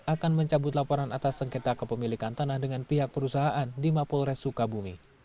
akan mencabut laporan atas sengketa kepemilikan tanah dengan pihak perusahaan di mapolres sukabumi